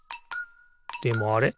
でもあれ？